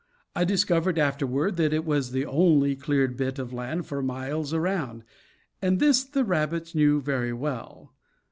I discovered afterward that it was the only cleared bit of land for miles around; and this the rabbits knew very well.